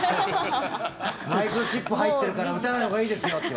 マイクロチップ入ってるから打たないほうがいいですよって。